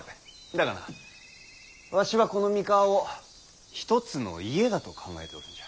だがなわしはこの三河を一つの家だと考えておるんじゃ。